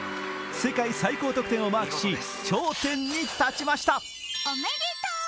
世界最高得点をマークし、頂点に立ちました。